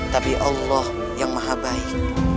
tapi allah yang maha baik